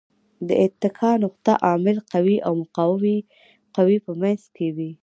د اتکا نقطه د عامل قوې او مقاومې قوې په منځ کې وي.